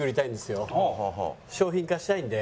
商品化したいんで。